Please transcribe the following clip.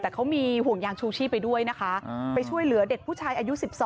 แต่เขามีห่วงยางชูชีพไปด้วยนะคะไปช่วยเหลือเด็กผู้ชายอายุ๑๒